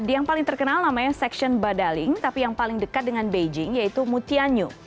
yang paling terkenal namanya seksion badaling tapi yang paling dekat dengan beijing yaitu mutianyu